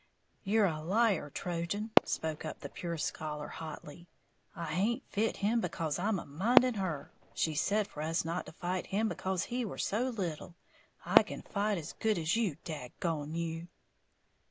"You're a liar, Trojan!" spoke up the "pure scholar," hotly; "I haint fit him because I'm a minding her. She said for us not to fight him because he were so little. I can fight as good as you, dag gone you!"